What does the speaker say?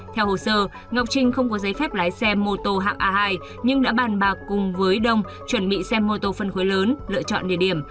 theo hồ sơ ngọc trinh không có giấy phép lái xe mô tô hạng a hai nhưng đã bàn bạc cùng với đông chuẩn bị xe mô tô phân khối lớn lựa chọn địa điểm